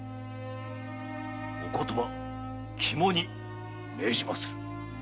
お言葉肝に銘じまする。